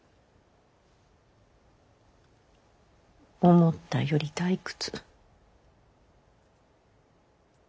思ったより退屈。